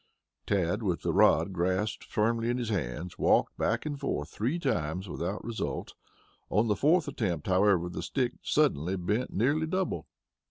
Tad, with the rod grasped firmly in his hands, walked back and forth three times without result. On the fourth attempt, however, the stick suddenly bent nearly double.